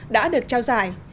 đã được trao giải